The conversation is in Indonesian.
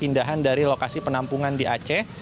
pindahan dari lokasi penampungan di aceh